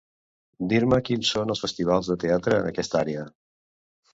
Dir-me quins són els festivals de teatre en aquesta àrea.